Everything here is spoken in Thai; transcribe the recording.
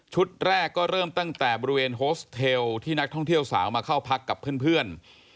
แรกก็เริ่มตั้งแต่บริเวณโฮสเทลที่นักท่องเที่ยวสาวมาเข้าพักกับเพื่อน